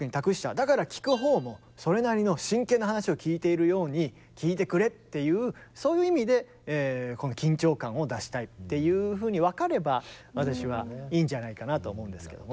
だから聴く方もそれなりの真剣な話を聴いているように聴いてくれっていうそういう意味でこの緊張感を出したいっていうふうに分かれば私はいいんじゃないかなと思うんですけども。